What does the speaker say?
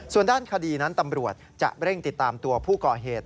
ส่วนด้านคดีนั้นตำรวจจะเร่งติดตามตัวผู้ก่อเหตุ